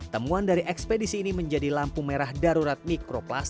temuan dari ekspedisi ini menjadi lampu merah dan merah